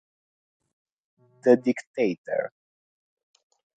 The Dictator